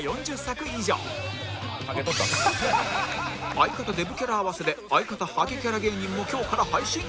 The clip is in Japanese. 相方デブキャラ合わせで相方ハゲキャラ芸人も今日から配信